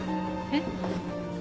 えっ？